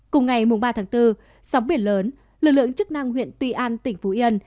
cùng ngày ba tháng bốn sóng biển lớn lực lượng chức năng huyện tuy an tỉnh phú yên